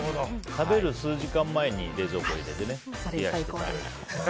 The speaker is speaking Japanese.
食べる数時間前に冷蔵庫に入れてそれが最高です。